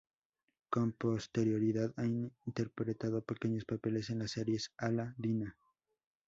Con posterioridad ha interpretado pequeños papeles en las series "¡Ala… Dina!